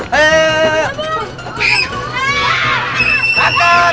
jangan lari pelan pelan